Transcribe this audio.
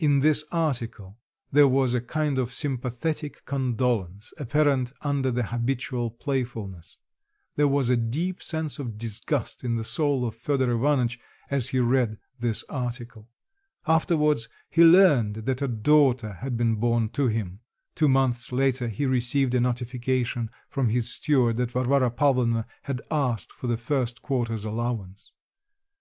In this article there was a kind of sympathetic condolence apparent under the habitual playfulness; there was a deep sense of disgust in the soul of Fedor Ivanitch as he read this article. Afterwards he learned that a daughter had been born to him; two months later he received a notification from his steward that Varvara Pavlovna had asked for the first quarter's allowance.